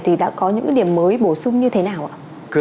thì đã có những điểm mới bổ sung như thế nào ạ